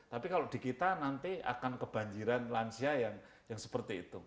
tapi kalau di kita nanti akan kebanjiran lansia yang seperti itu